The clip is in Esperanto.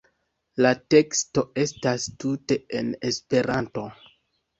La teksto estas tute en Esperanto.